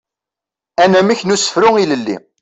Anamek n usefru ilelli.